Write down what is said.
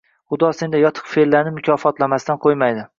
Xudo senday yotiqfe’llarni mukofotlamasdan qo‘ymaydi